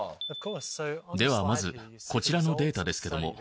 ではまずこちらのデータですけども。